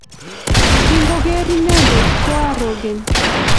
Kingoger inendet koarogen.